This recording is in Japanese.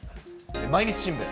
毎日新聞。